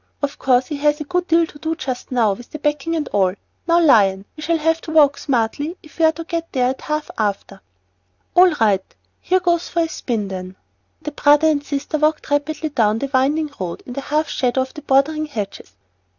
Of course he has a good deal to do just now, with the packing and all. Now, Lion, we shall have to walk smartly if we're to get there at half after." "All right. Here goes for a spin, then." The brother and sister walked rapidly on down the winding road, in the half shadow of the bordering hedges.